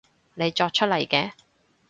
你作出嚟嘅